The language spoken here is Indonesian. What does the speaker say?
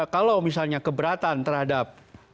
kalau misalnya keberatan terhadap